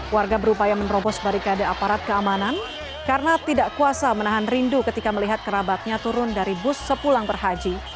warga berupaya menerobos barikade aparat keamanan karena tidak kuasa menahan rindu ketika melihat kerabatnya turun dari bus sepulang berhaji